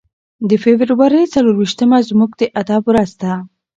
د فبرورۍ څلور ویشتمه زموږ د ادب ورځ ده.